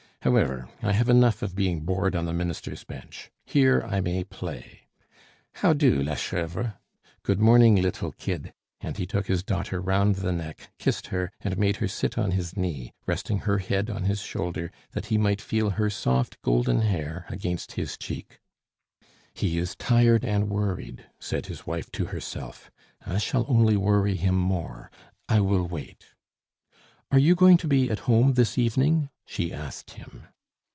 However, I have enough of being bored on the ministers' bench; here I may play. How do, la Chevre! Good morning, little kid," and he took his daughter round the neck, kissed her, and made her sit on his knee, resting her head on his shoulder, that he might feel her soft golden hair against his cheek. "He is tired and worried," said his wife to herself. "I shall only worry him more. I will wait. Are you going to be at home this evening?" she asked him.